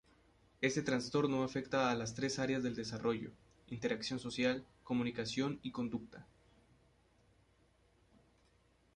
Este trastorno afecta a las tres Áreas del Desarrollo: interacción social, comunicación y conducta.